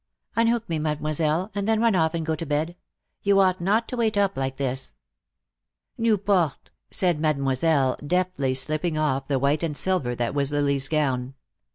Unhook me, Mademoiselle, and then run off and go to bed. You ought not to wait up like this." "Newport!" said Mademoiselle, deftly slipping off the white and silver that was Lily's gown.